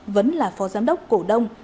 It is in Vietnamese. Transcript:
vấn là phó giám đốc cổ đông